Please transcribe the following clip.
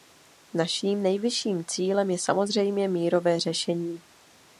Naším nejvyšším cílem je samozřejmě mírové řešení.